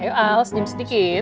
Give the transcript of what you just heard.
ayo al sedikit sedikit